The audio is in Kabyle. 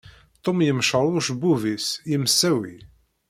Tum yemceḍ ucebbub-is, yemsawi.